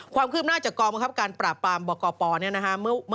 ความคืบหน้าจากกองบังคับการปราบปรามบกปเนี่ยนะฮะ